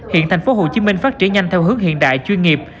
hiện thành phố hồ chí minh phát triển nhanh theo hướng hiện đại chuyên nghiệp